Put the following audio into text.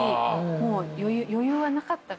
もう余裕はなかった。